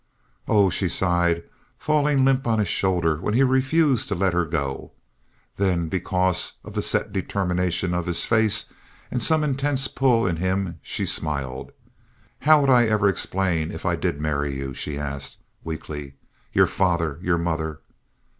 "Oh!" she sighed, falling limp on his shoulder when he refused to let her go. Then, because of the set determination of his face, some intense pull in him, she smiled. "How would I ever explain if I did marry you?" she asked, weakly. "Your father! Your mother!"